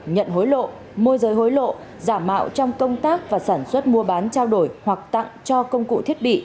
nhận hối lộ môi giới hối lộ giả mạo trong công tác và sản xuất mua bán trao đổi hoặc tặng cho công cụ thiết bị